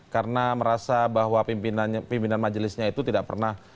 karena merasa bahwa pimpinan majelisnya itu tidak pernah